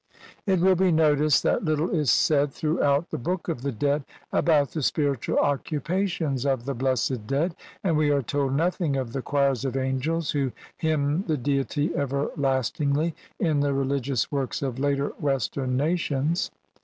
It will be noticed that little is said throughout the Book of the Dead about the spiritual occupations of the blessed dead, and we are told nothing of the choirs of angels who hymn the Deity everlastingly in the religious works of later Western nations.